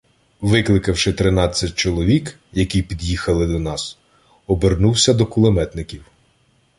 Викликавши тринадцять чоловік, які під'їхали до нас, обернувся до кулеметників: